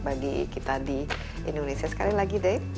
bagi kita di indonesia sekali lagi day